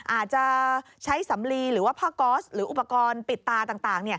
อาจจะใช้สำลีหรือว่าผ้าก๊อสหรืออุปกรณ์ปิดตาต่าง